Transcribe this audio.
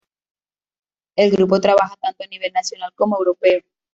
El grupo trabaja tanto a nivel nacional como europeo.